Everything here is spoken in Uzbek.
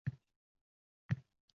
O‘zbekneftgaz: Boshqaruv raisi I